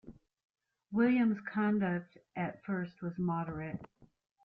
William’s conduct at first was moderate.